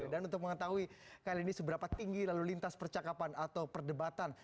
dan untuk mengetahui kali ini seberapa tinggi lalu lintas percakapan atau perdebatan